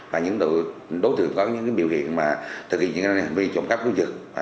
và những đối tượng có những biểu hiện thực hiện những hành vi trộm cắp cấp giật